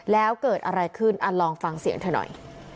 แล้วเกิดอะไรขึ้นลองฟังเสียงเธอหน่อย